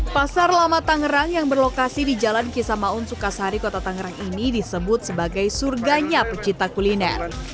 pasar lama tangerang yang berlokasi di jalan kisamaun sukasari kota tangerang ini disebut sebagai surganya pecinta kuliner